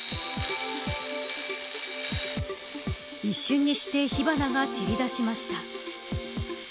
一瞬にして火花が散りだしました。